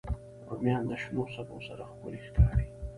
رومیان د شنو سبو سره ښکلي ښکاري